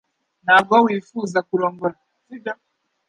Ntabwo wifuza kurongora, sibyo?